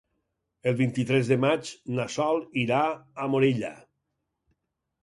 El vint-i-tres de maig na Sol irà a Morella.